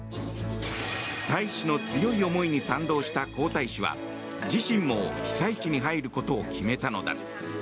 大使の強い思いに賛同した皇太子は自身も被災地に入ることを決めたのだ。